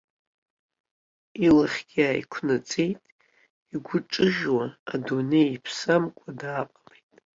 Илахьгьы ааиқәнаҵеит, игәы ҿыӷьуа, адунеи иԥсы амкуа дааҟалеит.